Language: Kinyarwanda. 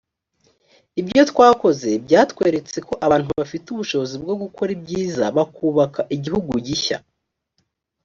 ibyo twakoze byatweretse ko abantu bafite ubushobozi bwo gukora ibyiza bakubaka igihugu gishya